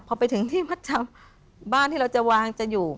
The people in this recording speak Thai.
พอไปถึงที่มัดจำบ้านที่เราจะวางจะอยู่